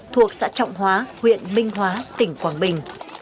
thuộc xã trọng hóa huyện minh hóa tỉnh quảng bình